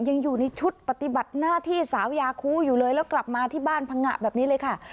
ยังอยู่ในชุดปฏิบัติหน้าที่สาวยาคูอยู่เลยแล้วกลับมาที่บ้านพังงะแบบนี้เลยค่ะ